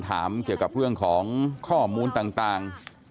ถามเกี่ยวกับเรื่องของข้อมูลต่าง